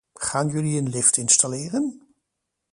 Gaan jullie een lift installeren?